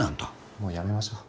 もうやめましょう。